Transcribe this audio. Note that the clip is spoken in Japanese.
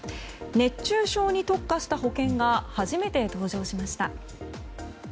熱中症に特化した保険が初めて登場しました。